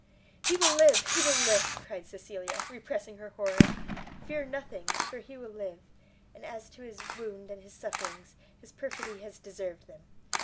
"He will live, he will live!" cried Cecilia, repressing her horror, "fear nothing, for he will live; and as to his wound and his sufferings, his perfidy has deserved them.